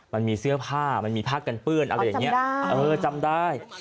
มันมีเสื้อผ้ามันมีผ้ากันเปื้อนอ๋อจำได้